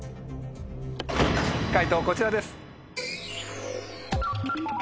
解答こちらです。